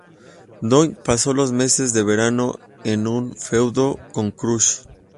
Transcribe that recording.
Doink pasó los meses de verano en un feudo con Crush.